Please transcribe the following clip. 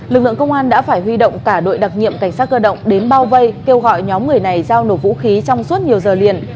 lực lượng công an đã phải huy động cả đội đặc nhiệm cảnh sát cơ động đến bao vây kêu gọi nhóm người này giao nộp vũ khí trong suốt nhiều giờ liền